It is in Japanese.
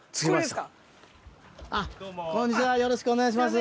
こんにちはよろしくお願いします。